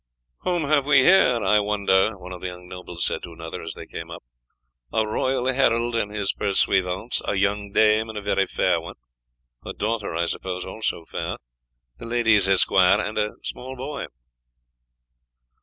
"Whom have we here, I wonder?" one of the young nobles said to another as they came up. "A royal herald and his pursuivants; a young dame and a very fair one; her daughter, I suppose, also fair; the lady's esquire; and a small boy."